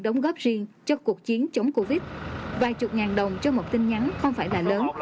đóng góp riêng cho cuộc chiến chống covid vài chục ngàn đồng cho một tin nhắn không phải là lớn